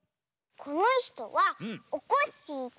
このひとはおこっしぃです！